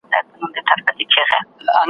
زده کړه انسان پیاوړی کوي.